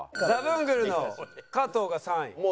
ザブングルの加藤が３位？